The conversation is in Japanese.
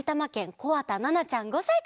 こわたななちゃん５さいから。